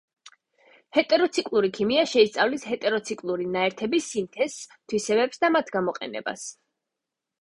ჰეტეროციკლური ქიმია შეისწავლის ჰეტეროციკლური ნაერთების სინთეზს, თვისებებს და მათ გამოყენებას.